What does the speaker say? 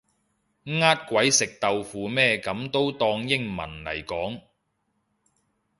呃鬼食豆腐咩噉都當英文嚟講